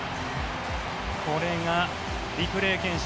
これがリプレー検証